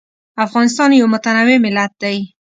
افغانستان یو متنوع ملت دی.